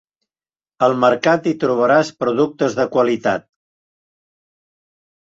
Al mercat hi trobaràs productes de qualitat.